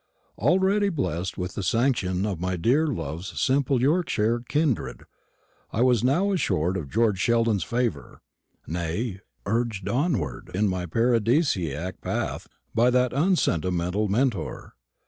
Already blest with the sanction of my dear love's simple Yorkshire kindred, I was now assured of George Sheldon's favour; nay, urged onward in my paradisiac path by that unsentimental Mentor.